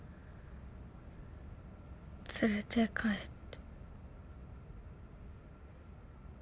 連れて帰って。